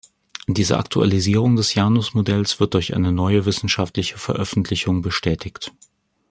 Diese Aktualisierung des Janus-Modells wird durch eine neue wissenschaftliche Veröffentlichung bestätigt.